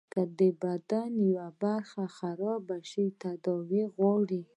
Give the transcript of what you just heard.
که د بدن يوه برخه خرابه سي تداوي غواړي.